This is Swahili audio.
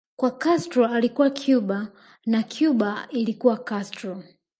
Kwao Castro alikuwa Cuba na Cuba ilikuwa Castro